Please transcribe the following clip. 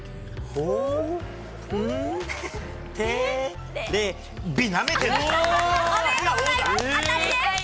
おめでとうございます。